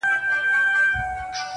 د دریاب پر غاړه لو کښټۍ ولاړه،